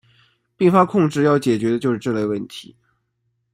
并发控制要解决的就是这类问题。